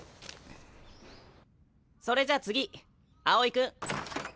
それじゃ次青井君。